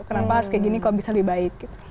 kenapa harus kayak gini kok bisa lebih baik gitu